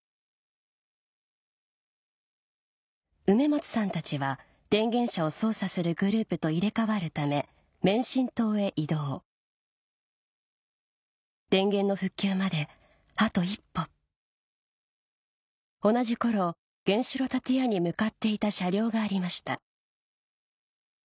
梅松さんたちは電源車を操作するグループと入れ替わるため免震棟へ移動電源の復旧まであと一歩同じ頃原子炉建屋に向かっていた車両がありました